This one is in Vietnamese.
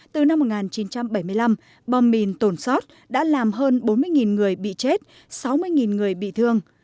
từ năm một nghìn chín trăm bảy mươi năm bom mìn tổn xót đã làm hơn bốn mươi người bị chết sáu mươi người bị thương